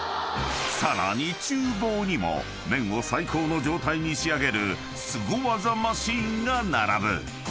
［さらに厨房にも麺を最高の状態に仕上げるスゴ技マシンが並ぶ］